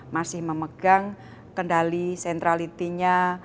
masih memegang kendali sentralitinya